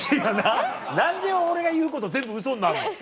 何で俺が言うこと全部ウソになんの？